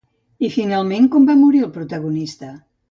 I finalment, com va morir el protagonista?